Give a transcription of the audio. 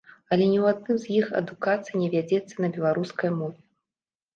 Але ні ў адным з іх адукацыя не вядзецца на беларускай мове.